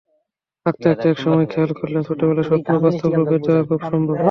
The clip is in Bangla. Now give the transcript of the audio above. আঁকতে আঁকতে একসময় খেয়াল করলেন, ছোটবেলার স্বপ্ন বাস্তবে রূপ দেওয়া খুব সম্ভব।